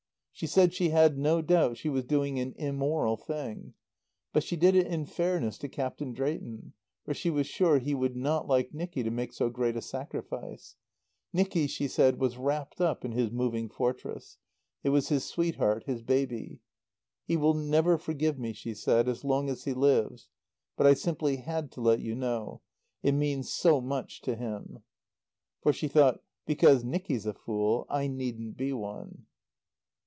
She said she had no doubt she was doing an immoral thing; but she did it in fairness to Captain Drayton, for she was sure he would not like Nicky to make so great a sacrifice. Nicky, she said, was wrapped up in his Moving Fortress. It was his sweetheart, his baby. "He will never forgive me," she said, "as long as he lives. But I simply had to let you know. It means so much to him." For she thought, "Because Nicky's a fool, I needn't be one."